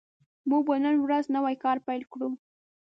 موږ به نن ورځ نوی کار پیل کړو